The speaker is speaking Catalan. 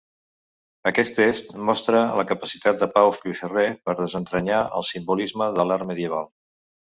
Aquest text mostra la capacitat de Pau Piferrer per desentranyar el simbolisme de l'art medieval.